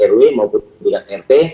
rw maupun tingkat rt